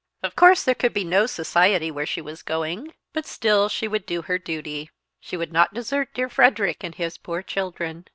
Of course there could be no society where she was going, but still she would do her duty; she would not desert dear Frederick and his poor children!